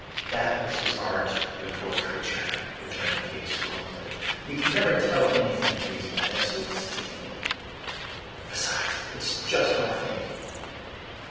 "That was his art, you poor creature!" returned Kate scornfully. "You can never tell anything of these men, they are so deceitful. Besides, it's just my fate!"